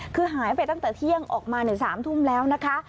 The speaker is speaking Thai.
คือหายไปตั้งแต่เที่ยงออกมา๓ทุ่มแล้วนะคะ